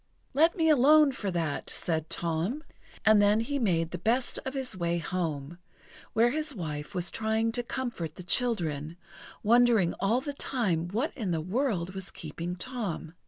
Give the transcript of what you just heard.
"Let me alone for that!" said Tom. And then he made the best of his way home, where his wife was trying to comfort the children, wondering all the time what in the world was keeping Tom.